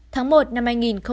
tháng một năm hai nghìn hai mươi